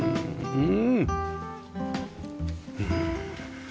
うん！